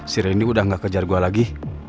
sireni udah gak kejar gua lagi